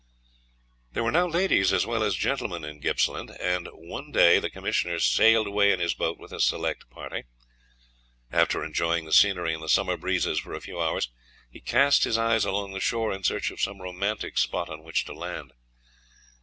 There were now ladies as well as gentlemen in Gippsland, and one day the commissioner sailed away in his boat with a select party. After enjoying the scenery and the summer breezes for a few hours, he cast his eyes along the shore in search of some romantic spot on which to land.